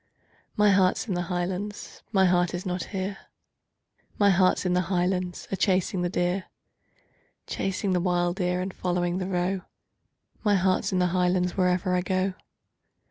Chorus.—My heart's in the Highlands, my heart is not here, My heart's in the Highlands, a chasing the deer; Chasing the wild deer, and following the roe, My heart's in the Highlands, wherever I go.